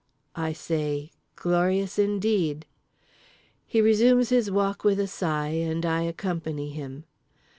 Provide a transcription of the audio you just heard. I say "Glorious indeed." He resumes his walk with a sigh, and I accompany him.